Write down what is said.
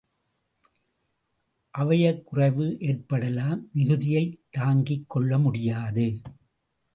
அவயக் குறைவு ஏற்படலாம் மிகுதியைத் தாங்கிக் கொள்ள முடியாது.